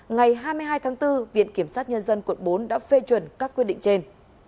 ngày hai mươi hai tháng bốn viện kiểm sát nhân dân quận bốn đã phê chuẩn các quyết định trên